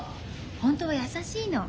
本当は優しいの。